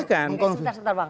sebentar sebentar bang